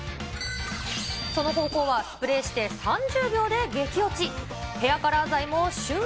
その方法はスプレーして３０秒で激落ち。